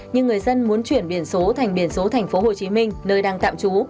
nhưng người dân muốn chuyển biển số thành biển số tp hcm nơi đang tạm trú